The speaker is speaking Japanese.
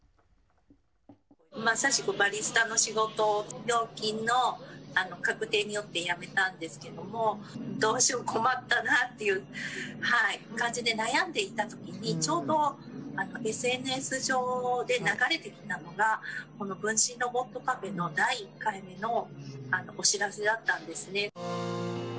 まさしくバリスタの仕事を、病気の確定によって辞めたんですけれども、どうしよう、困ったなっていう感じで悩んでいたときに、ちょうどＳＮＳ上で流れてきたのが、この分身ロボットカフェの第１回目のお知らせだったんですね。